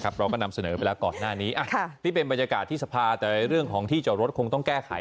เราก็นำเสนอไปแล้วก่อนหน้านี้นี่เป็นบรรยากาศที่สภาแต่เรื่องของที่จอดรถคงต้องแก้ไข